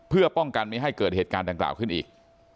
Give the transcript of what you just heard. เพื่อป้องกันไม่ให้เกิดเหตุการณ์ดังกล่าวขึ้นอีก